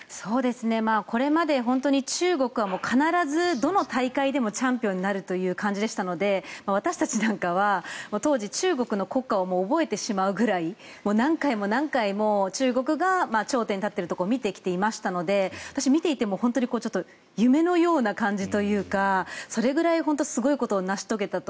これまで本当に中国は必ずどの大会でもチャンピオンになるという感じでしたので私たちなんかは当時中国の国歌を覚えてしまうぐらい何回も何回も中国が頂点に立っているところを見てきていましたので私、見ていても本当に夢のような感じというかそれぐらいすごいことを成し遂げたと。